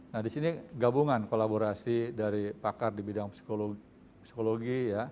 nah di sini gabungan kolaborasi dari pakar di bidang psikologi ya